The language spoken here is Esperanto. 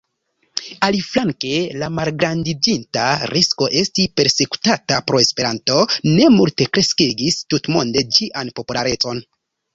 Aliflanke, la malgrandiĝinta risko esti persekutata pro Esperanto, ne multe kreskigis tutmonde ĝian popularecon.